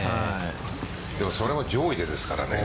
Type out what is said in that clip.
それも上位でですからね。